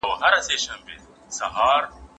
هغه څېړنه سیستماتیکه او عیني پلټنه ګڼي.